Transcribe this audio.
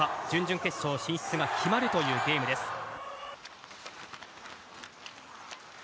準々決勝進出が決まるというゲームです。